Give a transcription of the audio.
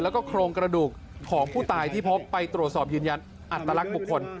แล้วก็โครงกระดูกของผู้ตายที่พบไปตรวจสอบยืนยันอัตลักษณ์บุคคล